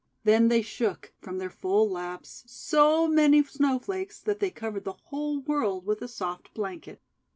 Then they shook, from their full laps, so many Snowflakes that they covered the whole world with a soft blanket.